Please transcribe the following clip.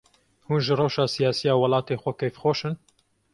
Hûn ji rewşa siyasî ya welatê xwe kêfxweş in?